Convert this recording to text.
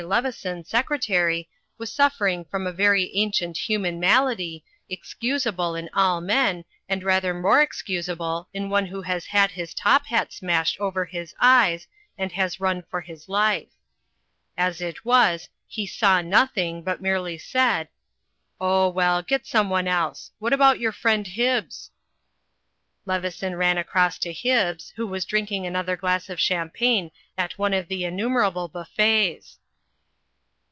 Leveson, Secretary, was suffering from a very ancient human malady, excusable in all men and rather more excusable in one who has had his top hat smashed over his eyes and has run for his life. As it was, he saw Digitized by CjOOQI^ THE BATTLE OF THE TUNNEL 151 nothing, but merely said, "Oh, well, get someone else. What about your friend Hibbs?" Leveson ran across to Hibbs, who was drinking another glass of champagne at one of the innumerable buffets.